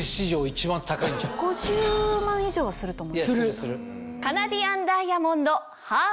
５０万以上はすると思う。